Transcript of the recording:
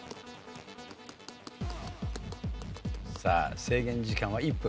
さあ制限時間は１分。